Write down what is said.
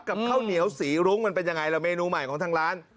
ข้าวเหนียวสีรุ้งมันเป็นยังไงล่ะเมนูใหม่ของทางร้าน